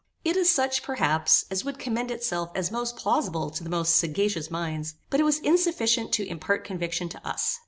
It is such, perhaps, as would commend itself as most plausible to the most sagacious minds, but it was insufficient to impart conviction to us.